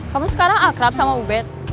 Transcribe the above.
kamu sekarang akrab sama ubed